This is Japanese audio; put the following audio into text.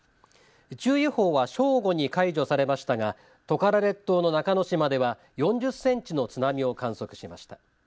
注意報は正午に解除されましたがトカラ列島の中之島では４０センチの津波を観測しました。